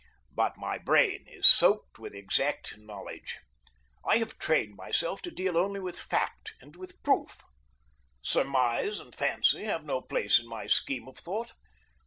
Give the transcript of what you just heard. But my brain is soaked with exact knowledge. I have trained myself to deal only with fact and with proof. Surmise and fancy have no place in my scheme of thought.